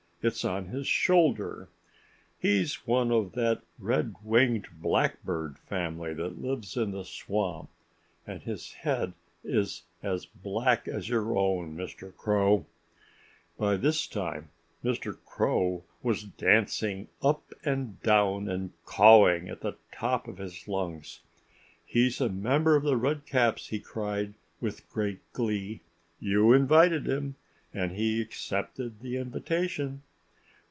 It's on his shoulder. He's one of that Red winged Blackbird family that lives in the swamp. And his head is as black as your own, Mr. Crow." By this time Mr. Crow was dancing up and down and cawing at the top of his lungs. "He's a member of The Redcaps!" he cried with great glee. "You invited him. And he accepted the invitation."